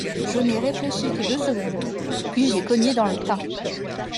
Je n’ai réfléchi que deux secondes, puis j’ai cogné dans le tas.